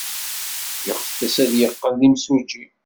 Yeɣtes ad yeqqel d imsujji.